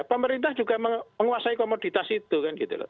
pemerintah juga menguasai komoditas itu kan gitu loh